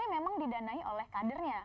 memang didanai oleh kadernya